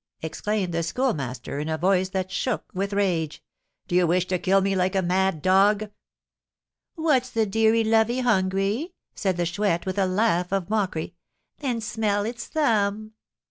exclaimed the Schoolmaster, in a voice that shook with rage; "do you wish to kill me like a mad dog?" "What's the deary lovey hungry?" said the Chouette, with a laugh of mockery; "then smell its thumb."